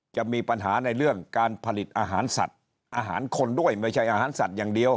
จะมีปัญหาในเรื่องการผลิตอาหารสัตว์อาหารคนด้วยไม่ใช่อาหารสัตว์อย่างเดียว